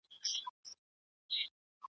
خو ما بیا هم په تیاره کي کتاب لوست.